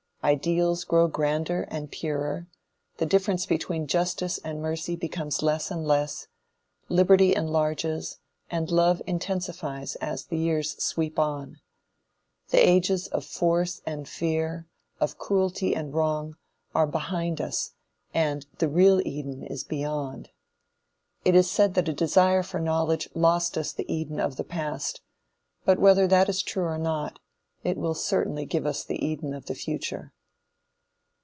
Ideals grow grander and purer; the difference between justice and mercy becomes less and less; liberty enlarges, and love intensifies as the years sweep on. The ages of force and fear, of cruelty and wrong, are behind us and the real Eden is beyond. It is said that a desire for knowledge lost us the Eden of the past; but whether that is true or not, it will certainly give us the Eden of the future.